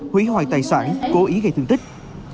hủy hoại tài sản cố ý gây thương tích